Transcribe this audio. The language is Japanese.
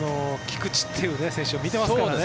菊池という選手を見てますからね。